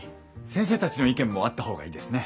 先生たちの意見もあった方がいいですね。